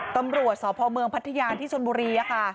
ตสพเมืองพะทะยานที่สลบุรีอะค่ะ